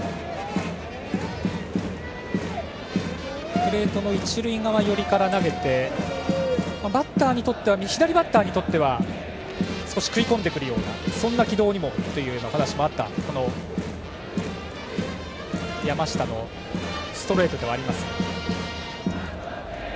プレートの一塁側寄りから投げて左バッターにとっては少し食い込んでくるような軌道というお話があったこの山下のストレート。